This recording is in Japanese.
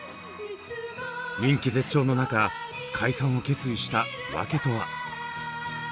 人気絶頂の中解散を決意したワケとは。